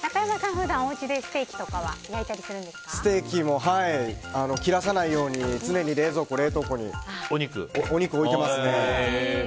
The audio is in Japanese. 普段おうちでステーキとかはステーキも切らさないように常に冷蔵庫、冷凍庫にお肉置いてますね。